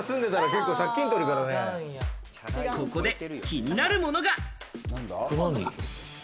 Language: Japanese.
ここで気になるものが。